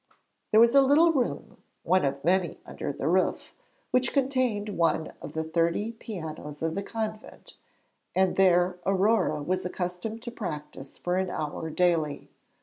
There was a little room one of many under the roof which contained one of the thirty pianos of the convent, and there Aurore was accustomed to practise for an hour daily.